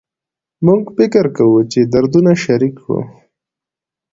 موږ فکر کوو چې دردونه شریک کړو